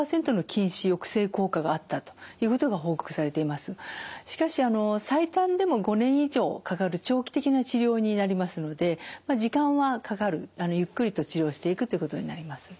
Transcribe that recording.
代表的なものがしかし最短でも５年以上かかる長期的な治療になりますので時間はかかるゆっくりと治療していくということになります。